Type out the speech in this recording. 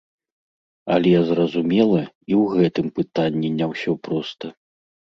Але зразумела, і ў гэтым пытанні не ўсё проста.